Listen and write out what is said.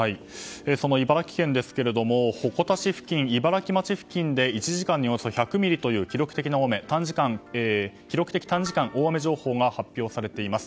茨城県ですが鉾田市付近、茨城町付近で１時間におよそ１００ミリという大雨記録的短時間大雨情報が発表されています。